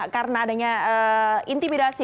karena adanya intimidasi